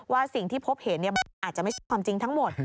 สิ่งที่พบเห็นมันอาจจะไม่ใช่ความจริงทั้งหมด